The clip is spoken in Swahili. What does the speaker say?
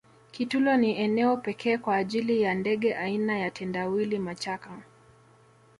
kitulo ni eneo pekee kwa ajili ya ndege aina ya tendawili machaka